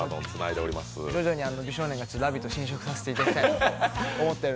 徐々に美少年も「ラヴィット！」に浸食していきたいと思っています。